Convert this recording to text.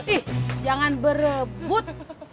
ih jangan berebut